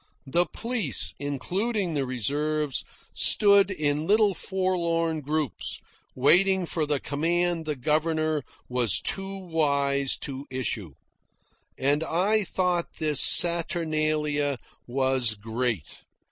The police, including the reserves, stood in little forlorn groups, waiting for the command the governor was too wise to issue. And I thought this saturnalia was great.